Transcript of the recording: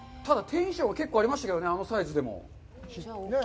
ただテンションが結構ありましたけどね、あのサイズでも。